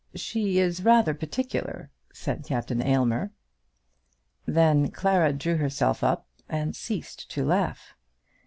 "She is rather particular," said Captain Aylmer. Then Clara drew herself up, and ceased to laugh.